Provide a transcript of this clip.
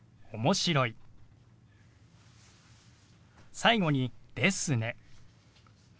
最後に「ですね」。